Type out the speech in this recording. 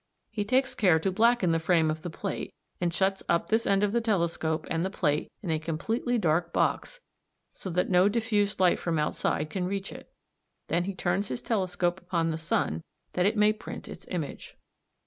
He takes care to blacken the frame of the plate and shuts up this end of the telescope and the plate in a completely dark box, so that no diffused light from outside can reach it. Then he turns his telescope upon the sun that it may print its image.